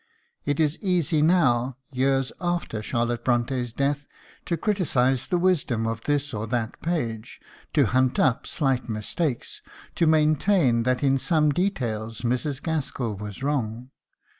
It is easy now, years after Charlotte Bront├½'s death, to criticise the wisdom of this or that page, to hunt up slight mistakes, to maintain that in some details Mrs. Gaskell was wrong.